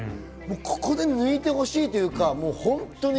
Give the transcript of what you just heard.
ここで抜いてほしいというか。